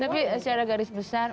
tapi secara garis besar